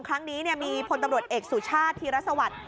ครั้งนี้มีพลตำรวจเอกสุชาติธีรสวัสดิ์